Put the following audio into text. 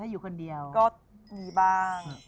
อยู่คนเดียวก็มีบ้าง